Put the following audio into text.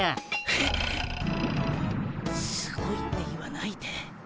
えすごいって言わないで。